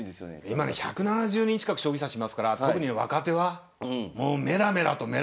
今ね１７０人近く将棋指しいますから特に若手はもうメラメラとメランコリー。